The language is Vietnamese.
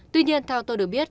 tuy nhiên theo tôi được biết